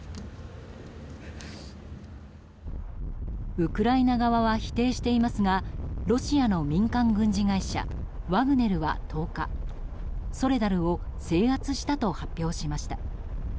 ウクライナ側は否定していますがロシアの民間軍事会社ワグネルは１０日ソレダルを制圧したと発表しました。